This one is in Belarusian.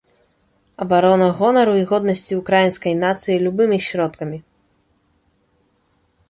Абарона гонару і годнасці ўкраінскай нацыі любымі сродкамі.